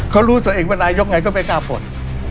เขารู้ตัวเองว่านายกไงก็ไม่กล้าป่น